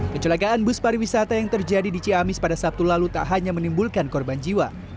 kecelakaan bus pariwisata yang terjadi di ciamis pada sabtu lalu tak hanya menimbulkan korban jiwa